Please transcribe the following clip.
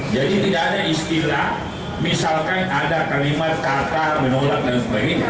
jadi tidak ada istilah misalkan ada kalimat kata menolak dan sebagainya